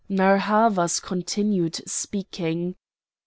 Narr' Havas continued speaking.